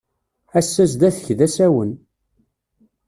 Ass-a zdat-k d asawen.